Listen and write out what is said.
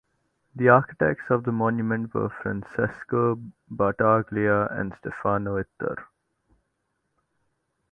The architects of the monument were Francesco Battaglia and Stefano Ittar.